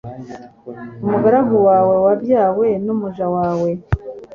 umugaragu wawe wabyawe n’umuja wawe